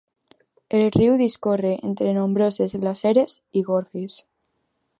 El riu discorre entre nombroses glaceres i gorges.